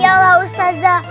ya allah ustadzah